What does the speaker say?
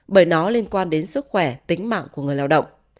bởi nó liên quan đến sức khỏe tính mạng của người lao động